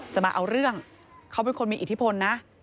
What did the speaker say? มาเอาเรื่องเขาเป็นคนมีอิทธิพลนะ